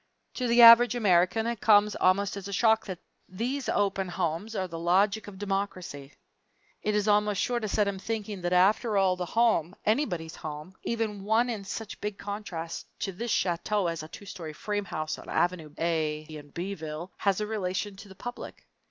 To the average American it comes almost as a shock that these open homes are the logic of democracy. It is almost sure to set him thinking that after all the home, anybody's home, even one in such big contrast to this chateau as a two story frame house, on Avenue A, in B ville, has a relation to the public.